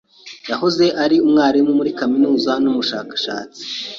Yahoze ari umwarimu wa kaminuza n'umushakashatsi.